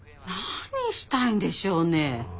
何したいんでしょうね。